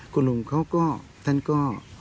คุณลุงเขาก็ท่านก็